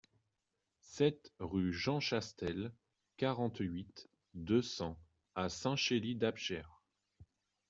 sept rue Jean Chastel, quarante-huit, deux cents à Saint-Chély-d'Apcher